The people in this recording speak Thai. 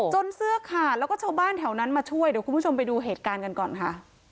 เสื้อขาดแล้วก็ชาวบ้านแถวนั้นมาช่วยเดี๋ยวคุณผู้ชมไปดูเหตุการณ์กันก่อนค่ะ